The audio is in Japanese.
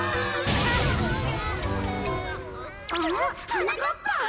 はなかっぱん？